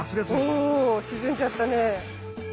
お沈んじゃったね。